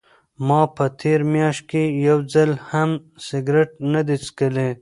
ما په تېره میاشت کې یو ځل هم سګرټ نه دی څښلی.